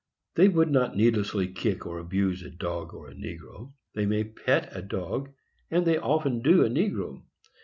They would not needlessly kick or abuse a dog or a negro. They may pet a dog, and they often do a negro.